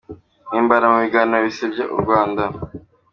Himbara mu biganiro bisebya u Rwanda